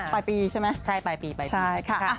ปลายปีใช่ไหมใช่ปลายปีค่ะใช่